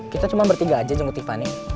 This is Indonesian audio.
kita cuma bertiga aja cuma tiffany